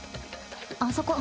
あそこ